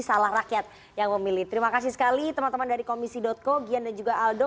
salah rakyat yang memilih terima kasih sekali teman teman dari komisi co gian dan juga aldo